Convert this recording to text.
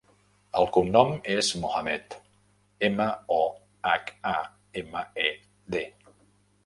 El cognom és Mohamed: ema, o, hac, a, ema, e, de.